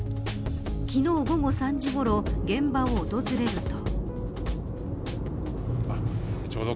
昨日午後３時ごろ現場を訪れると。